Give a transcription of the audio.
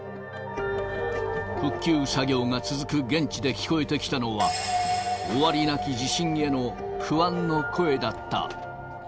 復旧作業が続く現地で聞こえてきたのは、終わりなき地震への不安の声だった。